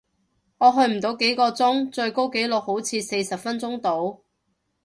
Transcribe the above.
我去唔到幾個鐘，最高紀錄好似四十分鐘度